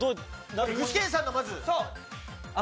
具志堅さんのまず。